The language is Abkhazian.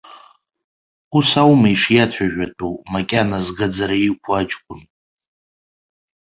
Ус аума ишиацәажәатәу макьана згаӡара иқәу аҷкәын.